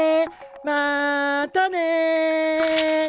またね！